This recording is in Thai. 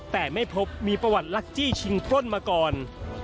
แต่ไม่พบมีประวัติลักจี้ชิงปล้นมาก่อน